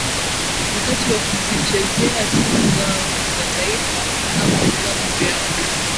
wakati wakizichezea timu zao za taifa ama vilabu vyao